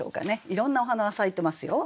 いろんなお花が咲いてますよ。